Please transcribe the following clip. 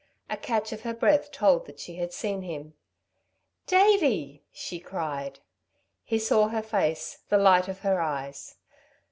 A catch of her breath told that she had seen him. "Davey!" she cried. He saw her face, the light of her eyes.